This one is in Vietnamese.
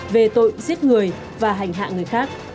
về tội giết người và hành hạ người khác